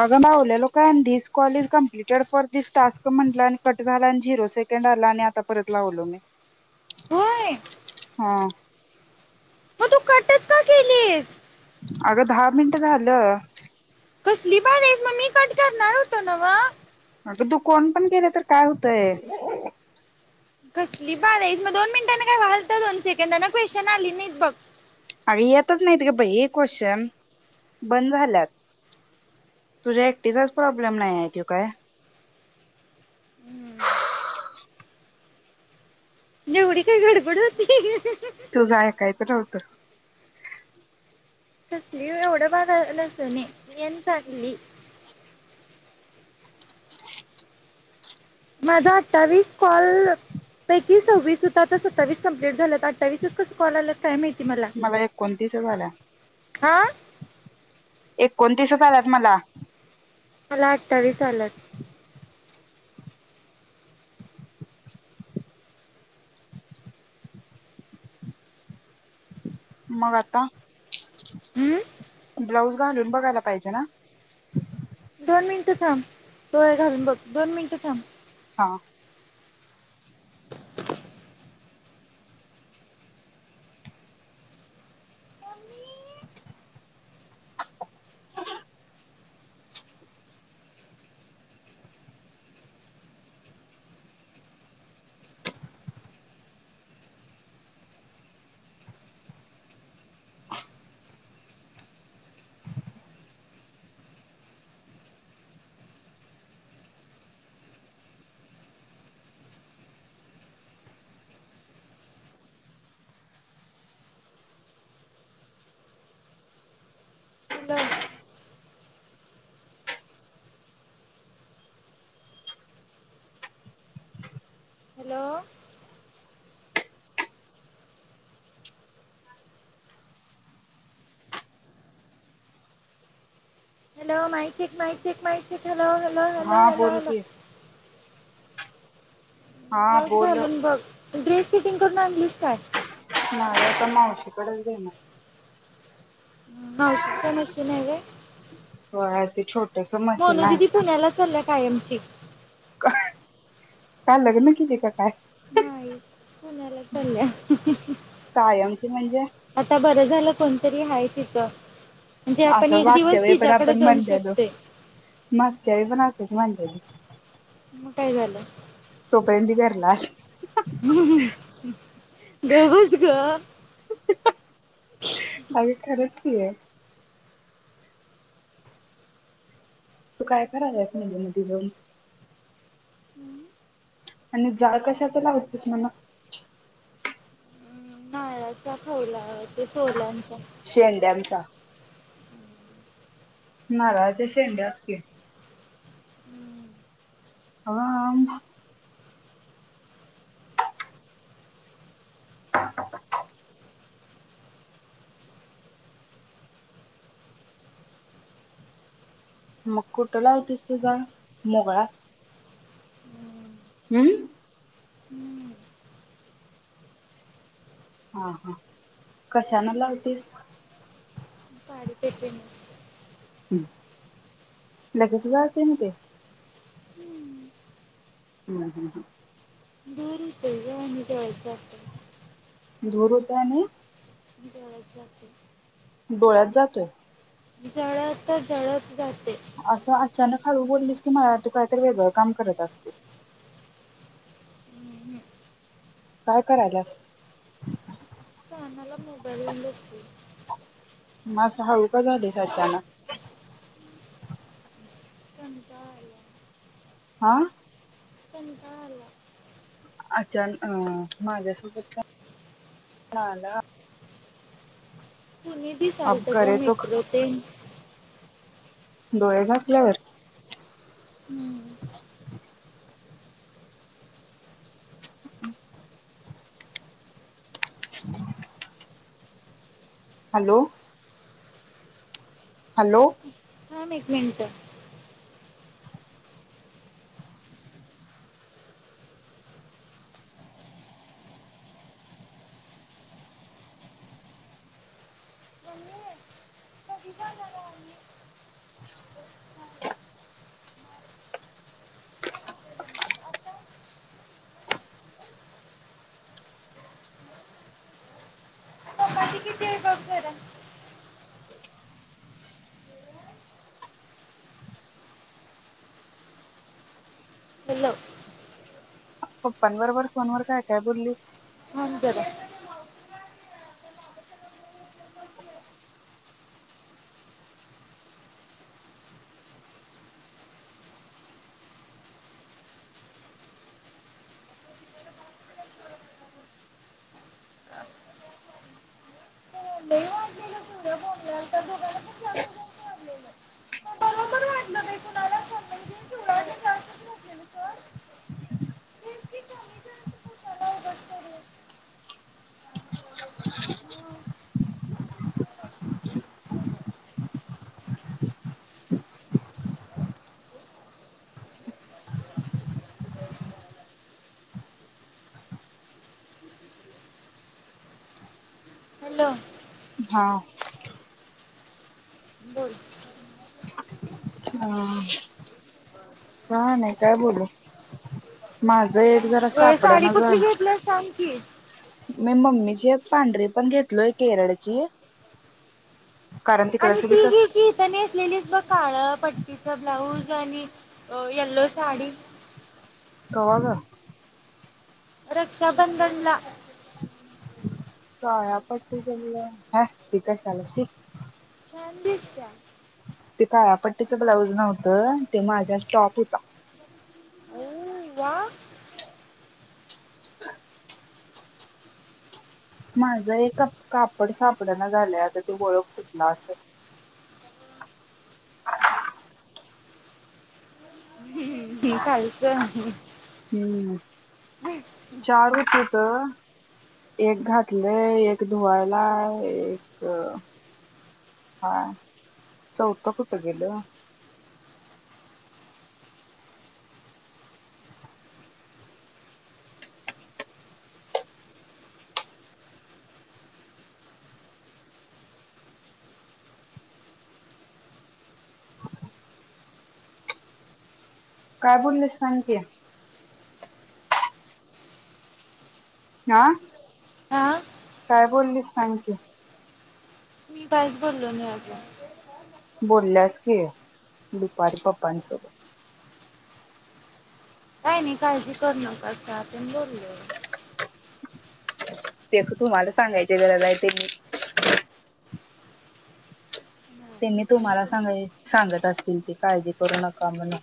अगं मावल्या लो काय this call is completed for this task म्हटलं आणि कट झाला आणि झिरो से ड आला आणि आता परत लावलो मी. होय. हा. मग तू कटच का केलीस. अगं दहा मिनिटं झालं. कसली बाद आहेस म मी कट करणार होतो नव्ह. अगं दु कोन पण केले तर काय होतय. कसली बाद हायीस म दोन मिनटांना काय वालत दोन सेकंदाना क्वेश्चन आली नाहीत बघ. अगं येतच नाहीत ग बाई क्वेश्चन, बंद झाल्यात. तुझ्या एकटीचाच प्रॉब्लेम नाही आहे तो काय. एवडी काय गडबड होती. तुझ ऐकायचं नव्हतं. [unintelligible] एवढं [unintelligible] मी अन चांगली. माझ अठ्ठावीस कॉल पैकी सव्वीस होत आता सत्तावीस कंपलिट झाल्यात अठ्ठावीसच कस कॉल आल्यात काय माहित. मला एकोणतीसच आलाय. हा. एकोणतीसच आल्यात मला. मला अठावीस आल्यात. मग आता, हम्म ब्लाऊज घालून बघायला पाहिजे ना. दोन मिनटं थांब, होय घालून बघ, दोन मिनटं थांब. हा. Hello. Hello. Hello mic check mic check mic check hello hello hello हा हॅलो बोल हॅलो. की हा ब्लाऊज बोल घालून बघ, ड्रेस फिटिंग करून आणलीस काय? नाही आता मावशीकडेच देणर. मावशीकडे मशीन हाय व्हय. हो हाय ते छो मोनू दीदी पुण्याला चालल्या कायमची. काय लग्न केली का काय? चल्या. कायमची म्हणजे? आता बरं झालं कोणतरी हाय तिथं. म्हणजे आपण असं एक मागच्या दिवस वेळी पण तिच्याकड आपण जाऊ म्हणलेलो शकतोय. मागच्या वेळी पण असंच म्हणलेलीस. मग काय झालं? तोपर्यंत ते घरला आली. अहं अहं गप्प बस ग. अग खरंच की. तू काय करायलास म्हणलं मदी जाऊन? आणि जाळ कशाच लावतीस मण? [unintelligible] ते सोलांच्या शेंड्याचा. नारळाच्या शेंड्याच की. अ म मग कुठं लावतीस तू जावून मोगळात. हम्म. हम्म हा हा. कशान लावतीस? साडीच्या पिनन. हम्म. लगेच जाळतंय म ते? हं हं ह. पित्त हुतंय ग आणि जेवायचं आता धुरूपाने [inaudible] डोळ्यात जातोय? जळत जळत जातय. असं अचानक हळू बोललीस की मला तू काहीतर वेगळं काम करत असते. हम्म. काय करायल्यास? कानाला मोबाईल बसलोय. म आसं हळू का झालीस अचानक? कंटाळ आलाय. हा. कंटाळ आलाय. अचान अं माझ्यासोबत [unintelligible] आला. कुणी अब दिसालत ग करे तो मित्र तेन? डोळे झाकल्यावर? हम्म. [unintelligible] [inaudible] हॅलो. हॅलो. थाम एक मिनिट. [inaudible] [inaudible] [inaudible] चपाती किती आहे बघ जरा? हॅलो. पप्पांबरोबर काय काय बोललीस? थांब जरा [inaudible] [unintelligible] हॅलो हा बोल हा काय नाही काय बोलू माझं एक जरा ग, साडी सापडना ग कुठली घेतलं [unintelligible] मी मम्मीची एक पांढरी पण घेतलोय केरळची कारण तिकडे आणि सगळी ती तस घे ती इथं नेसल्यालीस बघ काळं पट्टीचं ब्लाऊज आणि अं येल्लो साडी कवा ग रक्षाबंधनला ह्या ती कश्याला शी छान दिसत्या ते काळ्या पट्टीचं ब्लाउज नव्हतं ते माझ्या टॉप हुता. अय्योव वा माझं एक कापड सापडना झालंय आता तु ओळख कुठला असं [inaudible] ते काळीचं हम्म चार हुतेत एक घातलेय एक धुवायलाय एक आं चौतं कुठं गेलं? काय बोलली सांग की हा आं काय बोललीस सांग की? मी काहीच बोललो नाही अजून बोलल्यास की दुपारी पप्पांसोबत काही नाही काळजी करू नको आपण बोल्लो. ते तुम्हाला सांगायची गरज हाय ते त्यांनी आम्ही तुम्हाला सांग त्यांना सांगत असतील ते काळजी करू नका म्हणु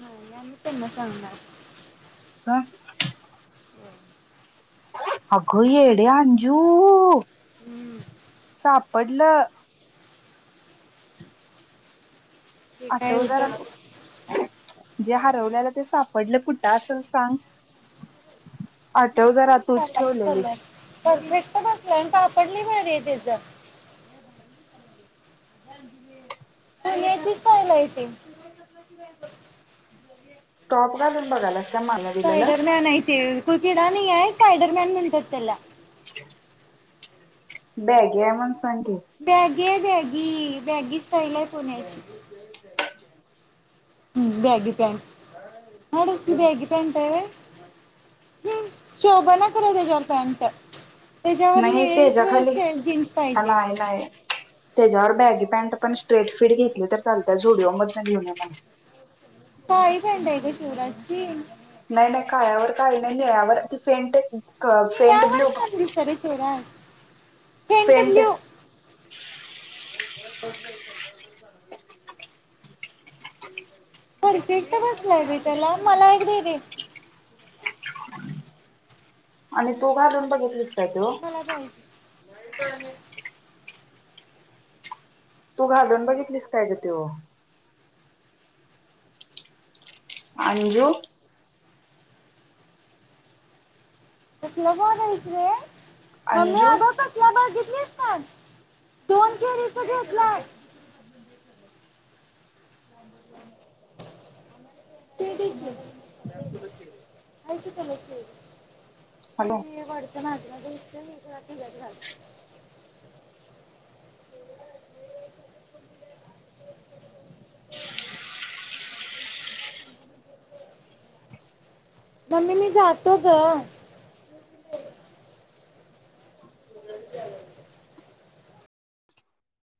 नाही आम्ही तर म सांगणार का? अगं येडे अंजू हम्म सापडलं. ते काय आठव जरा होतं जे हरवल्यालं ते सापडलं, कुठं असल सांग? आठव मस्त जरा तूच दिसायलाय कलर ठेवलेलीस. परफेक्ट बसला आणि कापड लय भारी आहे त्याचं [inaudible] काय माहिती? कॉटन [unintelligible] स्पायडरमॅन आहे ते कोई किडा नाही आहे स्पायडरमॅन म्हणतात त्याला. बॅगी हाय म्हणून सांग की बॅगी बॅगी बॅगी स्टाईल हाय पुण्याची हम्म बॅगी पॅंट मॅडम ही बॅगी पॅट हे हम्म शोभना पर त्याच्यावर पॅन्ट त्याच्यावर नाही निळी त्याच्या खाली वळे जीन्स हा पाहिजे नाही नाही. त्याच्यावर बॅगी पॅन्ट पण स्ट्रेट फिट घेतली तर चालत झुडिओ मधन घेऊन म्हण काळी पॅन्ट हाय गं शिवराजची. नाही नाही काळ्यावर काळी नाही नीळ्यावर ती फेंट क फेंट निळ्यावर ब्ल्यू छान फेंट ब्ल्यु [unintelligible] परफेक्ट बसलाय बाई त्याला मला एक दे र आणि तु घालून बघितलिस काय तो [unintelligible] तू घालून बघितलीस काय ग त्यो आंजु कसला बाद हाइस रे मंम्मी अंजू आग बघितलिस काय दोनशेच घेतलाय ते घे कि त्यात बशी हॅलो [unintelligible] मम्मी मी जातो गं